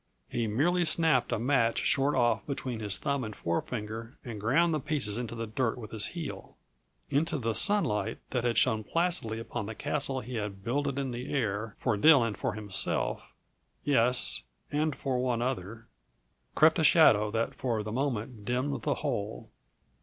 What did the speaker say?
He merely snapped a match short off between his thumb and forefinger and ground the pieces into the dirt with his heel. Into the sunlight that had shone placidly upon the castle he had builded in the air for Dill and for himself yes, and for one other crept a shadow that for the moment dimmed the whole.